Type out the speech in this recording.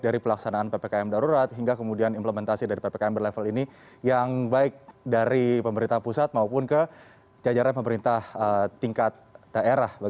dari pelaksanaan ppkm darurat hingga kemudian implementasi dari ppkm berlevel ini yang baik dari pemerintah pusat maupun ke jajaran pemerintah tingkat daerah